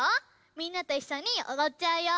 みんなといっしょにおどっちゃうよ。